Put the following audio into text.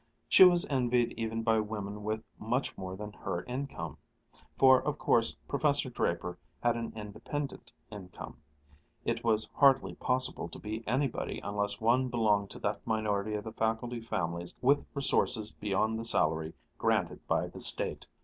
She was envied even by women with much more than her income: for of course Professor Draper had an independent income; it was hardly possible to be anybody unless one belonged to that minority of the faculty families with resources beyond the salary granted by the State.